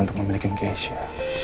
untuk memiliki keasnya